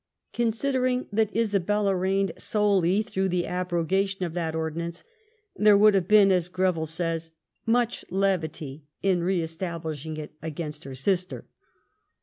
Considering that Isabella reigned solely through the abrogation of that ordinance, there would have been, as Greville says, much levity in re establishing it against her sister.